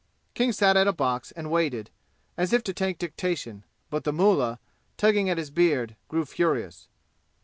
King sat at a box and waited, as if to take dictation, but the mullah, tugging at his beard, grew furious.